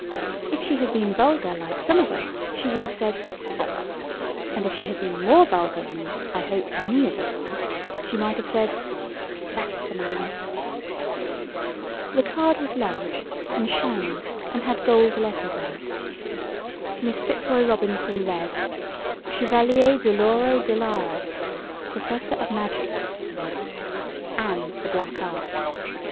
If she had been vulgar like some of us she would have said "Bother!" and if she had been more vulgar than, I hope, any of us are, she might have said "Drat the man!" The card was large and shiny and had gold letters on it. Miss Fitzroy Robinson read:— Chevalier Doloro De Lara Professor of Magic (white) and the Black Art.